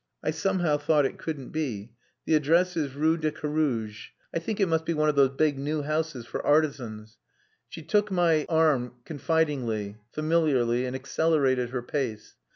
I somehow thought it couldn't be. The address is Rue de Carouge. I think it must be one of those big new houses for artisans." She took my arm confidingly, familiarly, and accelerated her pace.